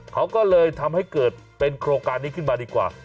เขาก็เลยทำให้เกิดเป็นโครงการนี้ขึ้นมาดีกว่า